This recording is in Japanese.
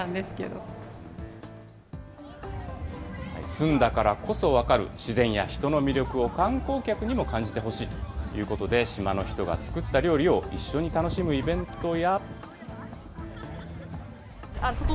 住んだからこそわかる自然や人の魅力を観光客にも感じてほしいということで、島の人が作った料理を一緒に楽しむイベントや。